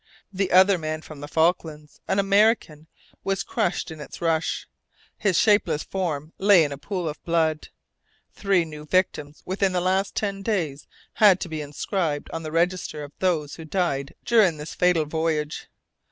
The other man from the Falklands, an American, was crushed in its rush; his shapeless form lay in a pool of blood. Three new victims within the last ten days had to be inscribed on the register of those who died during this fatal voyage!